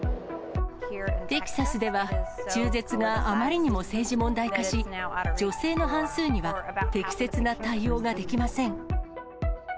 テキサスでは中絶があまりにも政治問題化し、女性の半数には適切な対応ができません。